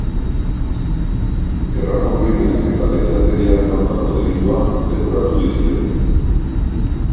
Gerrako krimenak eta gizateriaren aurkako delituak leporatu dizkiote.